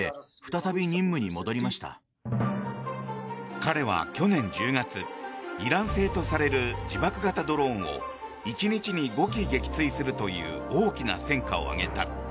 彼は去年１０月イラン製とされる自爆型ドローンを１日に５機撃墜するという大きな戦果を上げた。